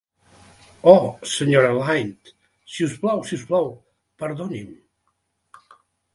Oh, Sra. Lynde, si us plau, si us plau, perdoni"m.